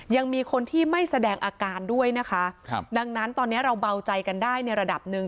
ยังมีคนที่ไม่แสดงอาการด้วยนะคะครับดังนั้นตอนนี้เราเบาใจกันได้ในระดับหนึ่ง